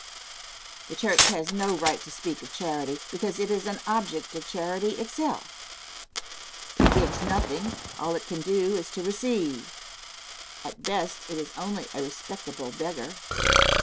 The church has no right to speak of charity, because it is an object of charity itself. It gives nothing; all it can do is to receive. At best, it is only a respectable beggar.